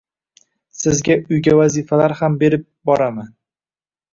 Sizga uyga vazifalar ham berib boraman.